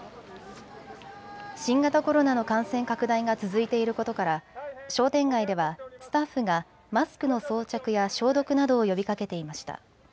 新型コロナの感染拡大が続いていることから商店街ではスタッフがマスクの装着や消毒などを呼びかけていました。